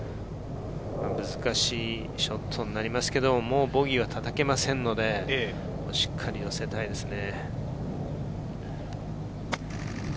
難しいショットになりますが、もうボギーは叩けませんので、しっかり寄せたいですね。